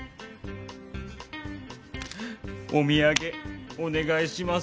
お土産お願いします。